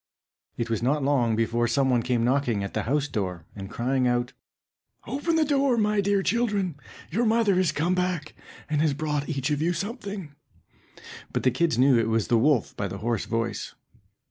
It was not long before some one came knocking at the house door, and crying out, "Open the door, my dear children, your mother is come back, and has brought each of you something." But the little kids knew it was the wolf by the hoarse voice.